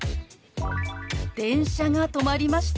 「電車が止まりました」。